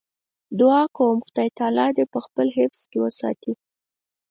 دعا کوم خدای تعالی دې په خپل حفظ کې وساتي.